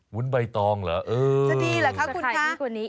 วุ้นใบตองเหรอเออจะดีเหรอครับคุณคะ